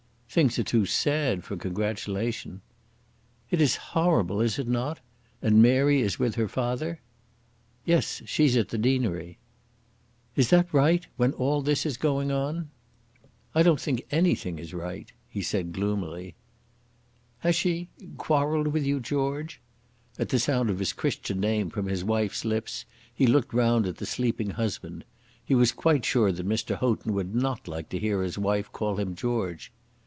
"Things are too sad for congratulation." "It is horrible; is it not? And Mary is with her father." "Yes, she's at the deanery." "Is that right? when all this is going on?" "I don't think anything is right," he said, gloomily. "Has she quarrelled with you, George?" At the sound of his Christian name from the wife's lips he looked round at the sleeping husband. He was quite sure that Mr. Houghton would not like to hear his wife call him George.